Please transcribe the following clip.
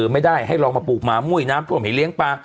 ไม่ได้ให้ลองมาปลูกหมามุ้ยน้ำท่วมให้เลี้ยงปลา